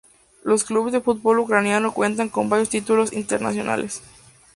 Los clubes de fútbol ucraniano cuentan con varios títulos internacionales.